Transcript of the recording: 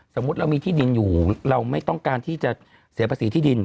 สมมุติเรามีที่ดินอยู่เราไม่ต้องการที่จะเสียภาษีที่ดิน